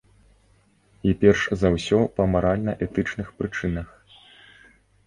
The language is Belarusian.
І перш за ўсё па маральна-этычных прычынах.